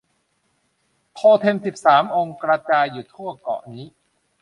โทเท็มสิบสามองค์กระจายอยู่ทั่วเกาะนี้